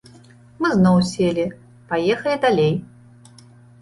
Мы зноў селі, паехалі далей.